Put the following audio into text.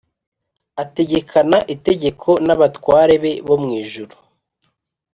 Ategekana itegeko n’abatware be bo mu ijuru